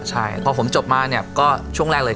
ใช่พอผมจบมาเนี่ยก็ช่วงแรกเลย